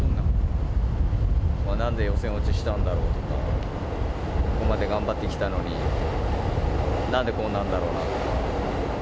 なんで予選落ちしたんだろうとか、ここまで頑張ってきたのに、なんでこうなんだろうなとか。